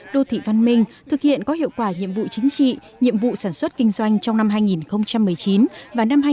đô thị văn minh thực hiện có hiệu quả nhiệm vụ chính trị nhiệm vụ sản xuất kinh doanh trong năm hai nghìn một mươi chín và năm hai nghìn hai mươi